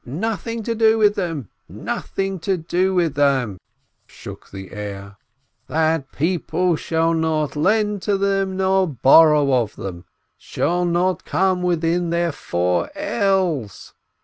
"Nothing to do with them! Nothing to do with them !" shook the air. "That people shall not lend to them nor borrow of them, shall not come within their four ells